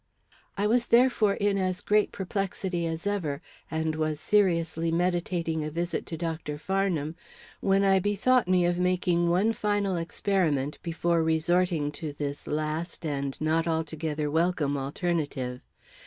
I was therefore in as great perplexity as ever, and was seriously meditating a visit to Dr. Farnham, when I bethought me of making one final experiment before resorting to this last and not altogether welcome alternative.